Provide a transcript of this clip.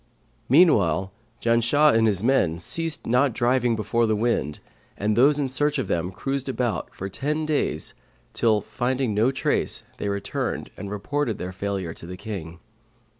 Meanwhile, Janshah and his men ceased not driving before the wind and those in search of them cruised about for ten days till, finding no trace they returned and reported failure to the King.